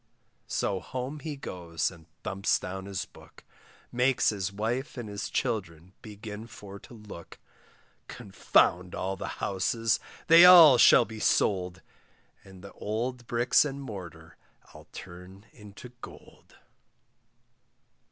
So home he goes and thumps down his book, Makes his wife and his children begin for to look; Confound all the houses, they all shall be sold, And the old bricks and mortar I'll turn into gold.